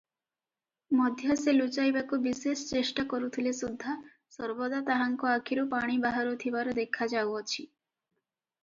ମଧ୍ୟ ସେ ଲୁଚାଇବାକୁ ବିଶେଷ ଚେଷ୍ଟା କରୁଥିଲେ ସୁଦ୍ଧା ସର୍ବଦା ତାହାଙ୍କ ଆଖିରୁ ପାଣି ବହୁଥିବାର ଦେଖାଯାଉଅଛି ।